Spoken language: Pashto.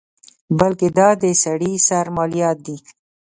بلکې دا د سړي سر مالیات دي.